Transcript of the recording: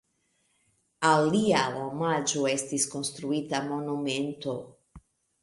Al lia omaĝo estis konstruita monumento.